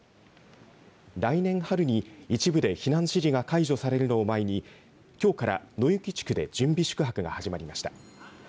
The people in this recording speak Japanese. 来年春に一部で避難指示が解除されるのを前にきょうから野行地区で準備宿泊が始まりました。